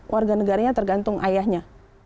warga negaranya tergantung ayahnya